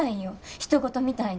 ひと事みたいに。